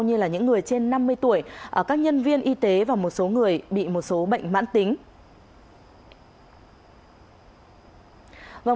như là những người trên năm mươi tuổi các nhân viên y tế và một số người bị một số bệnh mãn tính